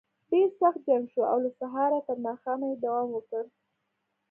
ډېر سخت جنګ شو او له سهاره تر ماښامه یې دوام وکړ.